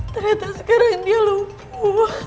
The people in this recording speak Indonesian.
ternyata sekarang dia lupu